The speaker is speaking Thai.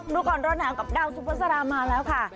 ดูก่อนร้อนทางกับดาวซุปเปอร์สารามมาแล้วค่ะ